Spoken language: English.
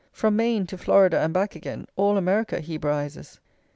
From Maine to Florida, and back again, all America Hebraises.